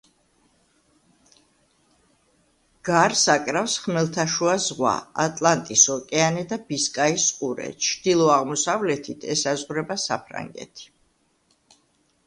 გარს აკრავს ხმელთაშუა ზღვა, ატლანტის ოკეანე და ბისკაის ყურე; ჩრდილო-აღმოსავლეთით ესაზღვრება საფრანგეთი.